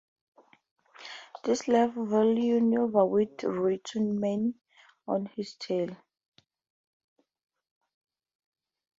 This left Villeneuve with Reutemann on his tail.